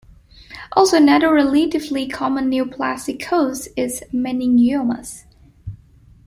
Also another relatively common neoplastic cause is meningiomas.